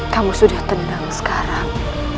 kamu sudah tenang sekarang